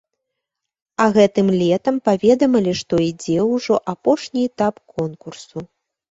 А гэтым летам паведамілі, што ідзе ўжо апошні этап конкурсу.